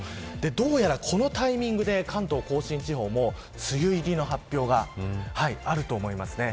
どうやら、このタイミングで関東甲信地方も梅雨入りの発表があると思います。